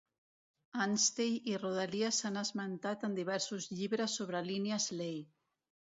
Anstey i rodalies s'han esmentat en diversos llibres sobre línies Ley.